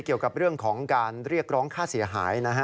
เกี่ยวกับเรื่องของการเรียกร้องค่าเสียหายนะฮะ